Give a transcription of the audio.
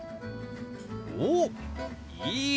おっいいですね！